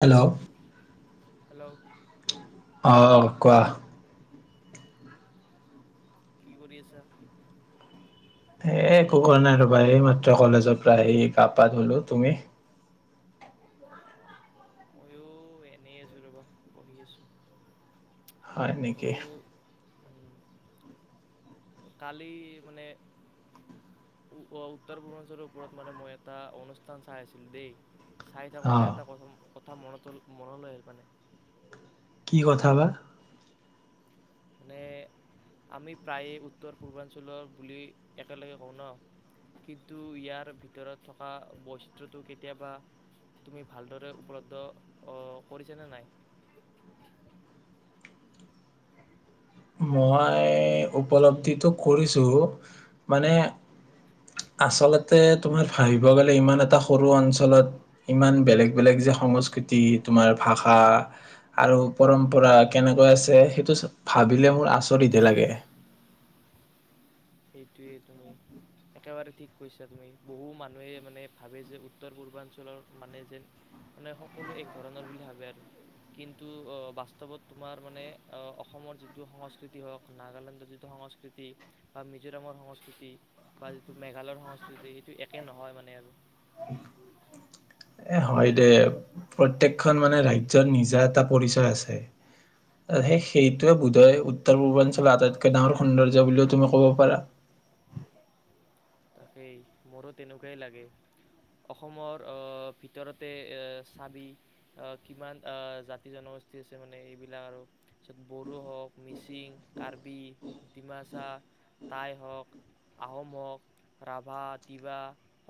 Hello, hello, অহ -কোৱা কি কৰি আছা? এ ', একো কৰা নাই ৰবা এই মাত্ৰ কলেজৰ পৰা আহি গা- পা ধুলো। তুমি? অ ময়ো এনেই আছো ৰবা বহি আছো। হয় নেকি? কালি মানে উৱ উত্তৰ -পূৰ্বাঞ্চলৰ ওপৰত মানে মই এটা অনুষ্ঠান চাই আছিলো দেই, চাই অ থাকোতে এটা কথা ম, কথা মনতল মনলৈ আহে পানে। কি কথা বা? মানে আমি প্ৰায়ে উত্তৰ- পূৰ্বাঞ্চলৰ বুলি একেলগে কওঁ ন', কিন্তু ইয়াৰ ভিতৰত থকা বৈচিত্ৰটো কেতিয়াবা তুমি ভালদৰে উপলব্ধ অ ', কৰিছানে নাই? মই উপলব্ধিটো কৰিছো মানে আচলতে তোমাৰ ভাবিব গ'লে ইমান এটা সৰু অঞ্চলত ইমান বেলেগ -বেলেগ যে সংস্কৃতি তোমাৰ ভাষা আৰু পৰম্পৰা কেনেকৈ আছে সেইটো, ভাবিলে মোৰ আচৰিতহে লাগে। সেইটোৱে তুমি একেবাৰে ঠিক কৈছা তুমি। বহু মানুহে মানে ভাবে যে উত্তৰ- পূৰ্বাঞ্চলৰ মানে যে মানে সকলো এক ধৰণৰ বুলি ভাবে আৰু কিন্তু বাস্তৱত তোমাৰ মানে অসমৰ যিটো সংস্কৃতি হওক নাগালেণ্ডৰ যিটো সংস্কৃতি, বা মিজোৰামৰ -সংস্কৃতি বা যিটো মেঘালয়ৰ - সংস্কৃতি সেইটো একে নহয় মানে আৰু, - এ', হয় দে প্ৰত্যকখন মানে ৰাজ্যৰ নিজা এটা পৰিচয় আছে, সেইটোৱে বোধয় উত্তৰ পূৰ্বাঞ্চলৰ আটাইতকৈ ডাঙৰ সৌন্দৰ্য বুলিও তুমি কব পাৰা। তাকেই মোৰো তেনেকুৱাই লাগে অসমৰ অ', ভিতৰতে এ চাবি কিমান জাতি জনগোষ্ঠী আছে মানে এইবিলাক আৰু তাৰ বড়ো হওক মিচিং -কাৰ্বি -ডিমাচা -টাই হওক, আহোম হওক, ৰাভা -তিৱা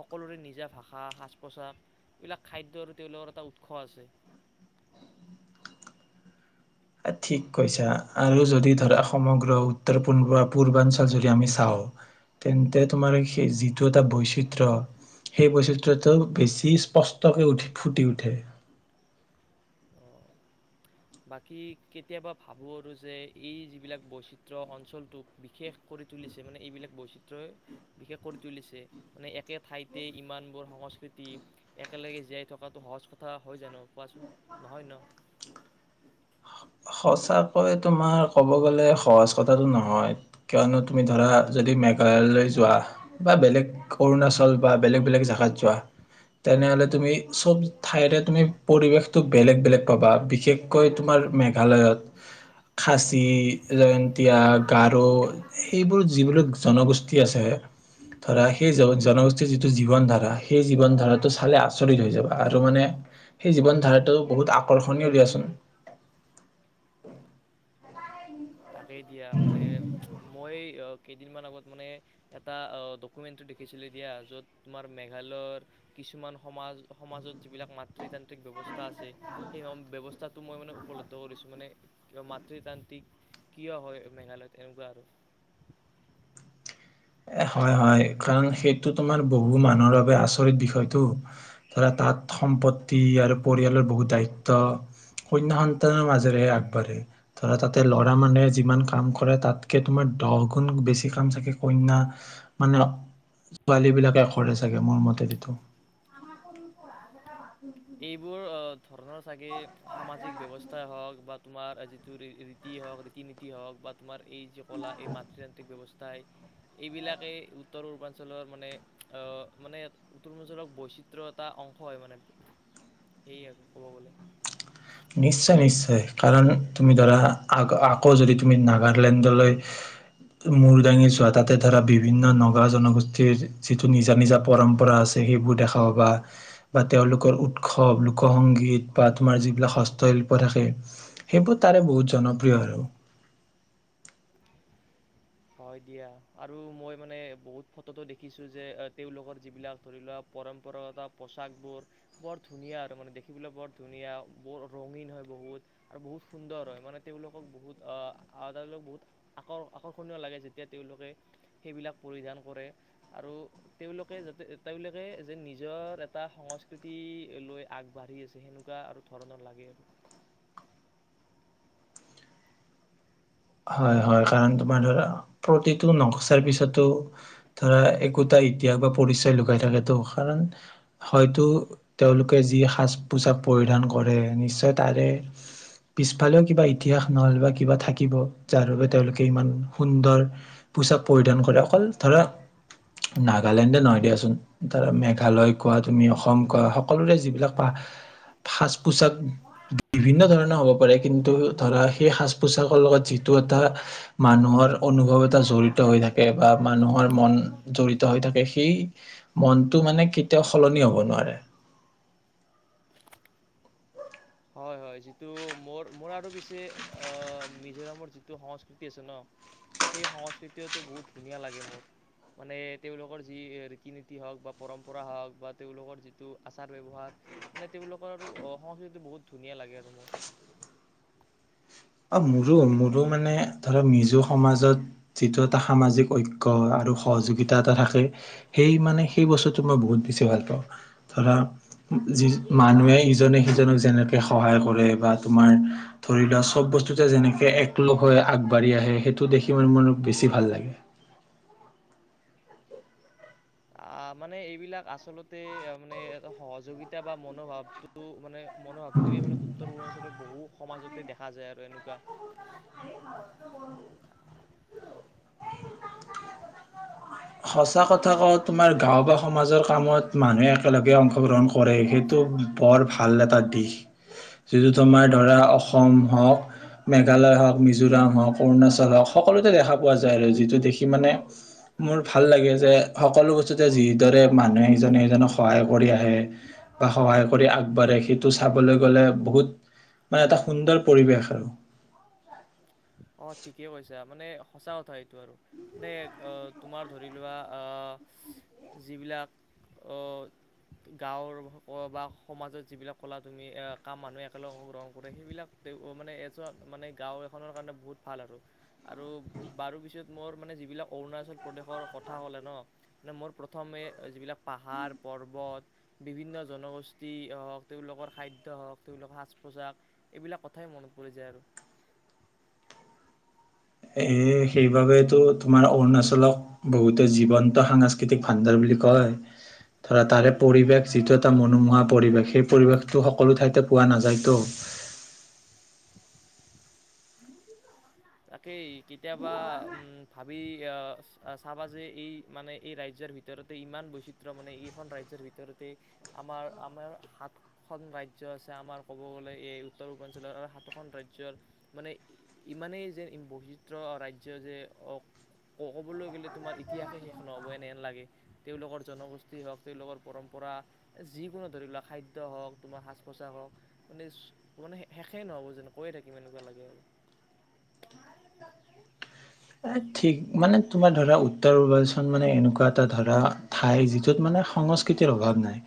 সকলোৰে নিজা ভাষা, সাজ- -পোছাক এইবিলাক খাদ্যৰ তেওঁলোকৰ এটা উৎস আছে। ঠিক কৈছা আৰু যদি ধৰা সমগ্ৰ উত্তৰ পূ্ব পূৰ্বাঞ্চল যদি আমি চাওঁ তেন্তে তোমাৰ সেই যিটো এটা বৈচিত্ৰ সেই বৈচিত্ৰটো বেছি স্পষ্টকে উঠি ফুটি উঠে। বাকী কেতিয়াবা ভাবোঁ আৰু যে, এই যিবিলাক বৈচিত্ৰ অঞ্চলটোক বিশেষ কৰি তুলিছে মানে এইবিলাক বৈচিত্ৰই বিশেষ কৰি তুলিছে। মানে একে ঠাইতে ইমানবোৰ সংস্কৃতি একেলগে জীয়াই থকাটো সহজ কথা হয় জানো কোৱাচোন, নহয় ন? সচাকৈ তোমাৰ ক'ব গ'লে সহজ কথাটো নহয় কিয়নো তুমি ধৰা যদি মেঘালয় যোৱা বা বেলেগ অৰুণাচল বা বেলেগ - বেলেগ জেগাত যোৱা তেনেহলে তুমি চব ঠাইৰে তুমি পৰিৱেশটো বেলেগ -বেলেগ পাবা বিশেষকৈ তোমাৰ মেঘা, মেঘালয়ত খাচী- জয়ন্তীয়া - গাৰ সেইবোৰ যিবোৰ জনগোষ্ঠী আছে ধৰা, সেই জনগোষ্ঠীৰ যিটো জীৱন ধাৰা সেই জীৱন ধাৰাটো চালে আচৰিত হৈ যাবা আৰু মানে সেই জীৱন ধাৰাটো বহুত আকৰ্ষণীয় দিয়াচোন। তাকেই দিয়া মানে মই, কেইদিনমান আগত মানে এটা ডকুমেন্টতো দেখিছিলো দিয়া য'ত তোমাৰ মেঘালয়ৰ কিছুমান সমাজ- সমাজত যিবিলাক মাতৃ তান্ত্ৰিক ব্যৱস্থা, আছে সেই ব্যৱস্থা, তাতো মই মানে উপলব্ধ কৰিছোঁ মানে মাতৃতান্ত্ৰিক, কিয় হয় মেঘালয়ত এনেকুৱা আৰু। এ', হয়- হয় কাৰণ সেইটো তোমাৰ বহু মানুহৰ বাবে আচৰিত বিষয়টো, ধৰা তাত সম্পত্তি আৰু পৰিয়ালৰ বহু দায়িত্ব কন্যা -সন্তানৰ মাজেৰেহে আগবাঢ়ে ধৰা তাতে লৰা মানুহে যিমান কাম কৰে তাতকে তোমাৰ দহ গুণ বেছি কাম চাগে, কন্যা মানে ছোৱালী বিলাকেখৰে চাগে মোৰ মতেদিটো। এইবোৰ ধৰণৰ চাগে সামাজিক ব্যৱস্থাই হওঁক বা তোমাৰ যিটো ৰীতি হওক ৰীতি- নীতি হওঁক বা তোমাৰ, এই যে কলা এই মাতৃৃতান্ত্ৰিক ব্যৱস্থা, - তাই এইবিলাকেই উত্তৰ -পূৰ্বাঞ্চলৰ মানে, মানে উত্তৰ -পূৰ্বাঞ্চলৰ বৈচিত্ৰ এটা অংশ হয় মানে। এই আৰু ক'ব গলে। নিশ্চয়-নিশ্চয় কাৰণ তুমি ধৰা আ -আকৌ যদি তুমি নাগালেণ্ডলৈ মূৰ দাঙি যোৱা তাতে ধৰা বিভিন্ন নগা -জনগোষ্ঠীৰ যিটো নিজা নিজা পৰম্পৰা আছে সেইবোৰ দেখা পাবা বা তেওঁলোকৰ উৎসৱ লোক সংংগীত বা তোমাৰ যিবিলাক, হস্তশিল্প থাকে সেইবোৰ তাৰে বহুত জনপ্ৰিয় আৰু। হয় দিয়া আৰু মই মানে বহুত ফটোতো দেখিছো যে তেওঁলোকৰ যিবিলাক ধৰি লোৱা পৰম্পৰাগত পোচাকবোৰ বৰ ধুনীয়া আৰু মানে দেখিবলৈ বৰ ধুনীয়া, বৰ ৰঙীন হয় বহুত আৰু বহুত সুন্দৰ হয় মানে তেওঁলোকক বহুত তেওঁলোক বহুত আকৰ্শন, ধুনীয়া লাগে যেতিয়া তেওঁলোকে সেইবিলাক পৰিধান কৰে আৰু তেওঁলোকে যাতে তেওঁলোকে যে নিজৰ এটা সংস্কৃতি লৈ আগবাঢ়ি আছে, সেনেকুৱা আৰু ধৰণৰ লাগে আৰু। হয় -হয় কাৰণ তোমাৰ ধৰা প্ৰতিটো নক্চাৰ পিছতো ধৰা একোটা ইতিহাস বা পৰিচয় লুকাই থাকেতো কাৰণ হয়তো তেওঁলোকে যি সাজ -পোছাক পৰিধান কৰে নিশ্চয় তাৰে পিছফালেও কিবা ইতিহাস নহলে বা কিবা থাকিব। যাৰ বাবে তেওঁলোকে ইমান সুন্দৰ পোচাক পৰিধান কৰে অকল ধৰা নাগালেণ্ডে নহয় দিয়াচোন ধৰা মেঘালয় কোৱা তুমি, অসম কোৱা, সকলোৰে যিবিলাক সাজ- পোচাক বিভিন্ন ধৰণৰ হ'ব পাৰে কিন্তু ধৰা সেই সাজ- -পোচাকৰ লগত, যিটো এটা মানুহৰ অনুভৱ এটা জড়িত হৈ থাকে বা মানুহৰ মন জড়িত হৈ থাকে সেই মনটো মানে কেতিয়াও সলনি হব নোৱাৰে হয় হয় যিটো মোৰ মোৰ আৰু পিছে মিজোৰামৰ যিটো সংস্কৃতি আছে ন সেই সংস্কৃতিটো বহুত ধুনীয়া লাগে মোৰ মানে তেওঁলোকৰ যি ৰীতি নীতি হওক বা পৰম্পৰা হওক বা তেওঁলোকৰ যিটো আচাৰ ব্যৱহাৰ মানে তেওঁলোকৰ আৰু সংস্কৃতিটো বহুত ধুনীয়া লাগে আৰু মোৰ অ মোৰো মোৰো মানে ধৰা মিজো সমাজত যিটো এটা সামাজিক ঐক্য আৰু সহযোগিতা এটা থাকে সেই মানে সেই বস্তুটো মই বহুত বেছি ভাল পাওঁ ধৰা যি মানুহে ইজনে সিজনক যেনেকে সহায় কৰে বা তোমাৰ ধৰি লোৱা চব বস্তুতে যেনেকে একলগ হৈ আগবাঢ়ি আহে সেইটো দেখি মানে মোৰ বেছি ভাল লাগে মানে এইবিলাক আচলতে মানে সহযোগিতা বা মনোভাৱটো মানে মনোভাৱটোৱে মানে উত্তৰ পূৰ্বাঞ্চলৰ বহু সমাজত দেখা যায় আৰু এনেকোৱা সঁচা কথা কওঁ তোমাৰ গাওঁ বা সমাজৰ কামত মানুহে একেলগে অংশগ্ৰহণ কৰে সেইটো বৰ ভাল এটা দিশ যিটো তোমাৰ ধৰা অসম হওক মেঘালয় হওঁক মিজোৰাম হওঁক অৰুণাচল হওঁক সকলোতে দেখা পোৱা যায় আৰু যিটো দেখি মানে মোৰ ভাল লাগে যে সকলো বস্তুতে যিদৰে মানুহে সিজনে সিজনক সহায় কৰি আহে বা সহায় কৰি আগবাঢ়ে সেইটো চাবলৈ গলে বহুত মানে এটা সুন্দৰ পৰিবেশ আৰু অ ঠিকেই কৈছা মানে সঁচা কথা এইটো আৰু মানে তোমাৰ ধৰি লোৱা আহ যিবিলাক অ গাঁৱৰ বা সমাজত যিবিলাক কলা তুমি কাম মানুহে একেলগ অংশগ্ৰহণ কৰে সেইবিলাক মানে এজন মানে গাঁও এখনৰ কাৰণে বহুত ভাল আৰু আৰু বাৰু পিছত মোৰ মানে যিবিলাক অৰুণাচল প্ৰদেশৰ কথা হলে ন মানে মোৰ প্ৰথমে যিবিলাক পাহাৰ পৰ্বত বিভিন্ন জনগোষ্ঠী হওক তেওঁলোকৰ খাদ্য হওঁক তেওঁলোকৰ সাজ পোছাক এইবিলাক কথাই মনত পৰি যায় আৰু এ সেইবাবেইটো তোমাৰ অৰুণাচলক বহুতে জীৱন্ত সাংস্কৃতিক ভাণ্ডাৰ বুলি কয় ধৰা তাৰে পৰিৱেশ যিটো এটা মনোমোহা পৰিৱেশ সেই পৰিৱেশটো সকলো ঠাইতে পোৱা নাযায়তো তাকেই কেতিয়াবা ভাবি চাবা যে এই মানে এই ৰাজ্যৰ ভিতৰতে ইমান বৈচিত্ৰ মানে এইখন ৰাজ্যৰ ভিতৰতে আমাৰ আমাৰ সাতখন ৰাজ্য আছে আমাৰ ক'ব গ'লে এই উত্তৰ পূৰ্বাঞ্চলৰ আৰু সাতখন ৰাজ্যৰ মানে ইমানেই যে ই বৈচিত্ৰ ৰাজ্য যে ক'বলৈ গ'লে তোমাৰ ইতিহাসে শেষ নহ'ব এনেহন লাগে তেওঁলোকৰ জনগোষ্ঠী হওক তেওঁলোকৰ পৰম্পৰা যিকোনো ধৰি লক খাদ্য হওক তোমাৰ সাজ পোছাক হওক মানে মানে শেষেই নহ'ব যেন কৈয়ে থাকিম এনেকুৱা লাগে আৰু এ ঠিক মানে তোমাৰ ধৰা উত্তৰ পূৰ্বাঞ্চল মানে এনেকোৱা এটা ধৰা ঠাই যিটোত মানে সংস্কৃতিৰ অভাৱ নাই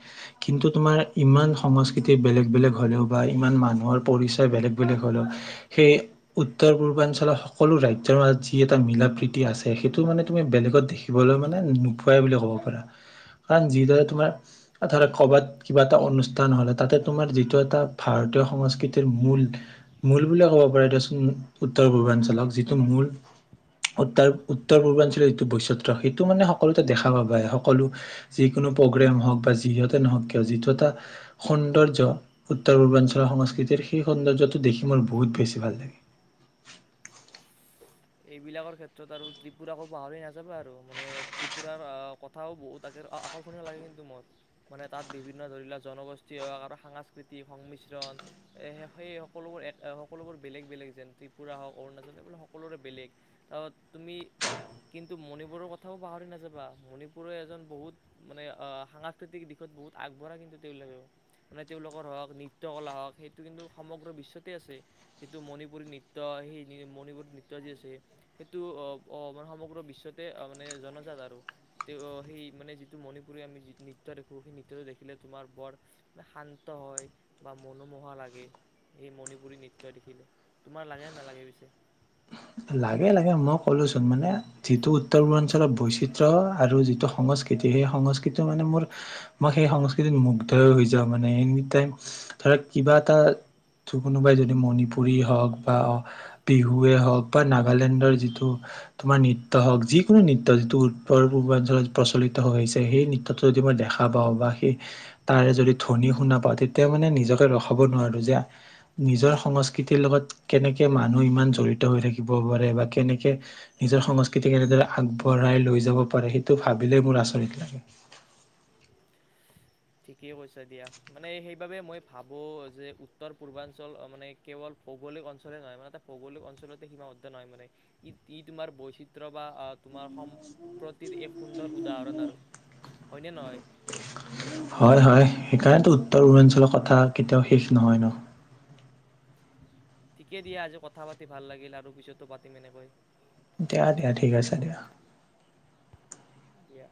কিন্তু তোমাৰ ইমান সংস্কৃতি বেলেগ বেলেগ হলেও বা ইমান মানুহৰ পৰিচয় বেলেগ বেলেগ হলেও সেই উত্তৰ পূৰ্বাঞ্চলৰ সকলো ৰাজ্যৰ মাজ যি এটা মিলা প্ৰীতি আছে সেইটো মানে তুমি বেলেগত দেখিবলৈ মানে নোপোৱাই বুলি ক'ব পাৰা কাৰণ যিদৰে তোমাৰ ধৰা ক'বাত কিবা এটা অনুষ্ঠান হলে তাতে তোমাৰ যিটো এটা ভাৰতীয় সংস্কৃতিৰ মূল মূল বুলিয়ে ক'ব পাৰা দেচোন উত্তৰ পূৰ্বাঞ্চলক যিটো মূল উত্তৰ উত্তৰ পূৰ্বাঞ্চলৰ যিটো বৈচিত্ৰ্য সেইটো মানে সকলোতে দেখা পাব সকলো যিকোনো প্ৰগ্ৰেম হওঁক বা যিহতে নহওক কিয় যিটো এটা সৌন্দৰ্য উত্তৰ পূৰ্বাঞ্চলৰ সংস্কৃতিৰ সেই সৌন্দৰ্যটো দেখি মোৰ বহুত বেছি ভাল লাগে এইবিলাকৰ ক্ষেত্ৰত আৰু ত্ৰিপুৰাকো পাহৰি নাযাবি আৰু মানে ত্ৰিপুৰাৰ কথাও বহুত তাকে আকৰ্ষণীয় লাগে কিন্তু মোৰ মানে তাত বিভিন্ন ধৰি লোৱা জনগোষ্ঠী হওক আৰু সাংস্কৃতিক সংমিশ্ৰণ সেই সকলোবোৰ এক সকলোবোৰ বেলেগ বেলেগ যেন ত্ৰিপুৰা হওক অৰুণাচল এইবিলাক সকলোৰে বেলেগ অ তুমি কিন্তু মণিপুৰৰ কথাও পাহৰি নাযাবা মণিপুৰৰে এজন বহুত মানে সাংস্কৃতিক দিশত বহুত আগবঢ়া কিন্তু তেওঁলোকেও মানে তেওঁলোকৰ হওক নৃত্য কলা হওক সেইটো কিন্তু সমগ্ৰ বিশ্বতেই আছে যেইটো মণিপুৰী নৃত্য সেই মণিপুৰী নৃত্য নৃত্য যি আছে সেইটো মান সমগ্ৰ বিশ্বতে মানে জনজাত আৰু তেওঁ সেই মানে যিটো মণিপুৰী আমি নৃত্য দেখোঁ সেই নৃত্যটো দেখিলে তোমাৰ বৰে শান্ত হয় বা মনোমোহা লাগে সেই মণিপুৰী নৃত্য দেখিলে তোমাৰ লাগে নালাগে পিছে লাগে লাগে মই ক'লোচোন মানে যিটো উত্তৰ পূৰ্বাঞ্চলৰ বৈচিত্ৰ্য আৰু যিটো সংস্কৃতি সেই সংস্কৃতি মানে মোৰ মই সেই সংস্কৃতিত মুগ্ধই হৈ যাওঁ মানে এনি টাইম ধৰক কিবা এটা কোনোবাই যদি মণিপুৰী হওক বা বিহুৱে হওক বা নাগালেণ্ডৰ যিটো তোমাৰ নৃত্য হওঁক যিকোনো নৃত্য যিটো উত্তৰ পূৰ্বাঞ্চলত প্ৰচলিত হৈ আহিছে সেই নৃত্যটো যদি মই দেখা পাওঁ বা সেই তাৰে যদি ধ্বনি শুনা পাওঁ তেতিয়া মানে নিজকে ৰখাব নোৱাৰো যে নিজৰ সংস্কৃতিৰ লগত কেনেকে মানুহ ইমান জড়িত হৈ থাকে থিব পাৰে বা কেনেকে নিজৰ সংস্কৃতি কেনেদৰে আগবঢ়াই লৈ যাব পাৰে সেইটো ভাবিলেই মোৰ আচৰিত লাগে ঠিকেই কৈছ দিয়া মানে সেইবাবে মই ভাবো যে উত্তৰ পূৰ্বাঞ্চল মানে কেৱল ভৌগলিক অঞ্চলেই নহয় মানে এটা ভৌগলিক অঞ্চলতে সীমাবদ্ধ নহয় মানে ই ই তোমাৰ বৈচিত্ৰ বা তোমাৰ সম্প্ৰতিৰ এক সুন্দৰ উদাহৰণ আৰু হয়নে নহয় হয় হয় সেইকাৰণেতো উত্তৰ পূৰ্বাঞ্চলৰ কথা কেতিয়াও শেষ নহয় ন ঠিকে দিয়া আজি কথা পাতি ভাল লাগিল আৰু পিছতো পাতিম এনেকৈ দিয়া দিয়া ঠিক আছে দিয়া দিয়া